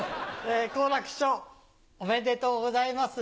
好楽師匠おめでとうございます。